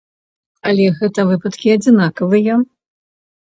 Але гэта выпадкі адзінкавыя.